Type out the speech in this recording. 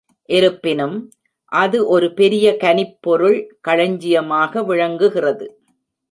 இருப்பினும், அது ஒரு பெரிய கனிப் பொருள் களஞ்சியமாக விளங்குகிறது.